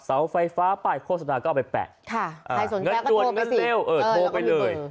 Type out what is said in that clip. เสาไฟฟ้าปาดโฆษณาก็เอาไปแปะค่ะใครสนแปะก็โทรไปสิเออโทรไปเลย